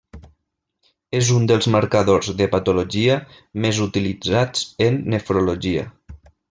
És un dels marcadors de patologia més utilitzats en nefrologia.